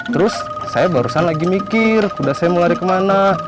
terus saya barusan lagi mikir udah saya mau lari kemana